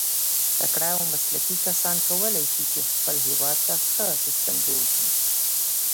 تکړه او مسلکي کسان کولای سي، چي خپل هېواد ته ښه سیسټم جوړ کي.